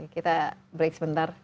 kita break sebentar